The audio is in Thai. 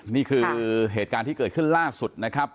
นี่คือเหตุการณ์ที่เกิดขึ้นล่าสุดนะครับ